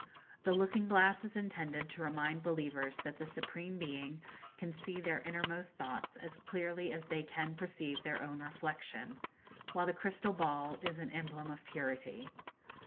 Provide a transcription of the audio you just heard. The looking glass is intended to remind believers that the Supreme Being can see their innermost thoughts as clearly as they can perceive their own reflection; while the crystal ball is an emblem of purity.